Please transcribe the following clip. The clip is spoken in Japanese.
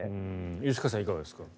吉川さん、いかがですか？